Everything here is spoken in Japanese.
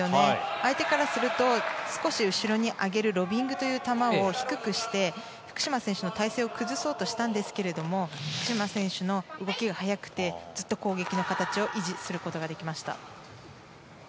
相手からすると少し後ろに上げるロビングという球を低くして福島選手の体勢を崩そうとしたんですが福島選手の動きが速くてずっと攻撃の形を維持することができました。